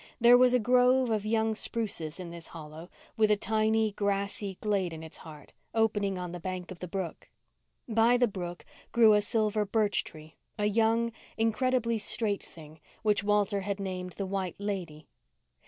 There was a grove of young spruces in this hollow, with a tiny, grassy glade in its heart, opening on the bank of the brook. By the brook grew a silver birch tree, a young, incredibly straight thing which Walter had named the "White Lady."